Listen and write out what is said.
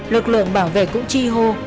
lực lượng bảo vệ cũng chi hô